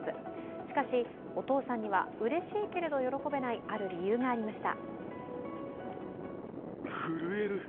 しかし、お父さんにはうれしいけれど喜べないある理由がありました。